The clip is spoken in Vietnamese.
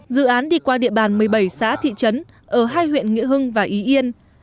dự án đi qua địa bàn một mươi bảy xã thị trấn ở hai huyện nghĩa hưng và ý yên